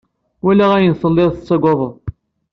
Walaɣ ayen telliḍ tetteggeḍ.